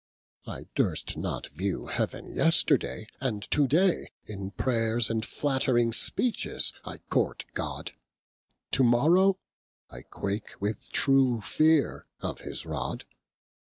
I durst not view heaven yesterday; and to day In prayers, and flattering speaches I court God: To morrow I quake with true feare of his rod.